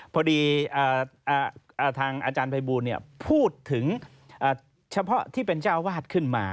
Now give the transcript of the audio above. พอดีทางอาจารย์ภัยบูลพูดถึงเฉพาะที่เป็นเจ้าวาดขึ้นมา